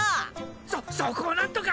そそこをなんとか！